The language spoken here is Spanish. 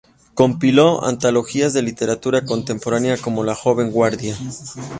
Compiló antologías de literatura contemporánea como "La joven guardia.